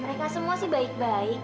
mereka semua sih baik baik